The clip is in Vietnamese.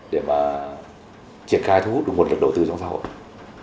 để mà triển khai thu hút được nguồn lực đầu tư trong xã hội